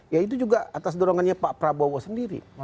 ya itu juga atas dorongannya pak prabowo sendiri